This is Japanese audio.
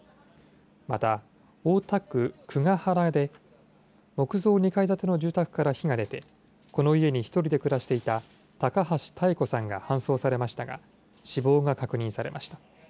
また、大田区久が原で、木造２階建ての住宅から火が出て、この家に１人で暮らしていた高橋妙子さんが搬送されましたが、死亡が確認されました。